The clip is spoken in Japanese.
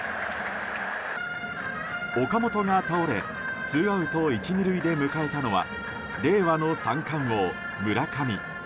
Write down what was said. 岡本が倒れ、ツーアウト１、２塁で迎えたのは令和の三冠王、村上。